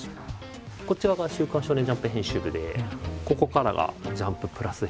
こっち側が「週刊少年ジャンプ」編集部でここからが「ジャンプ＋」編集部になります。